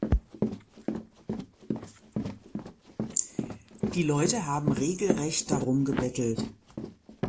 Die Leute haben regelrecht darum gebettelt.